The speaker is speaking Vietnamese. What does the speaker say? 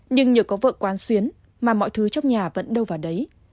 nhưng nhờ có vợ quán xuyến mà mọi thứ trong nhà vẫn đâu vào đấy